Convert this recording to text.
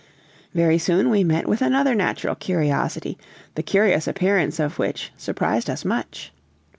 Very soon we met with another natural curiosity, the curious appearance of which surprised us much.